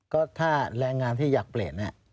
ก็ถ้าแรงงานที่อยากเปลี่ยนเนี่ย